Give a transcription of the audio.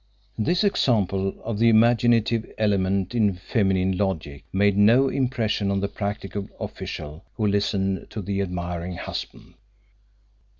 '" This example of the imaginative element in feminine logic made no impression on the practical official who listened to the admiring husband.